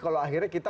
kalau akhirnya kita